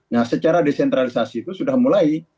nah secara desentralisasi itu sudah mulai